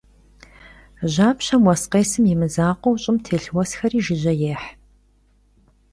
Japşem vues khêsım yi mızakhueu, ş'ım têlh vuesxeri jjıje yêh.